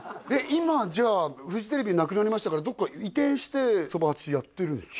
今じゃあフジテレビなくなりましたからどっか移転してそば八やってるんですか？